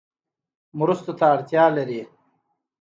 مرستو ته اړتیا لري